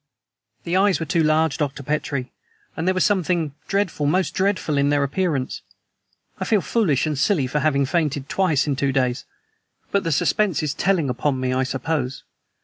"The eyes were too large, Dr. Petrie. There was something dreadful, most dreadful, in their appearance. I feel foolish and silly for having fainted, twice in two days! But the suspense is telling upon me, I suppose.